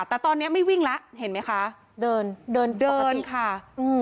แต่ตอนเนี้ยไม่วิ่งละเห็นไหมคะเดินเดินค่ะอืม